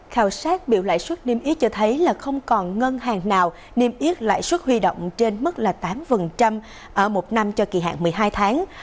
khảo sát biểu lãi suất niêm yết cho thấy là không còn ngân hàng nào niêm yết lãi suất huy động trên mức là tám vần